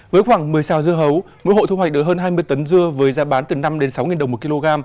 với khoảng một mươi sao dưa hấu mỗi hộ thu hoạch được hơn hai mươi tấn dưa với giá bán từ năm sáu đồng một kg